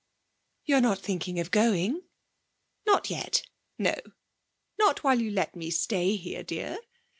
'You're not thinking of going?' 'Not yet ... no. Not while you let me stay here, dear.